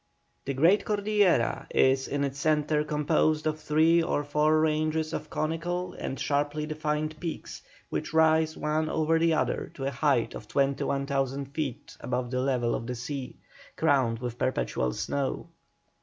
The great Cordillera is in its centre composed of three or four ranges of conical and sharply defined peaks which rise one over the other to a height of 21,000 feet above the level of the sea, crowned with perpetual snow.